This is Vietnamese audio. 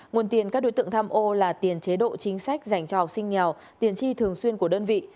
nguồn tiền các đối tượng tham ô là tiền chế độ chính sách dành cho học sinh nghèo tiền chi thường xuyên của đơn vị